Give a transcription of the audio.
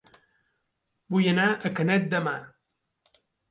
Vull anar a Canet de Mar